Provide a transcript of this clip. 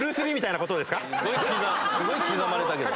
すごい刻まれたけど。